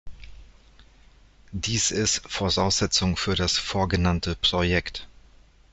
Dies ist Voraussetzung für das vorgenannte Projekt.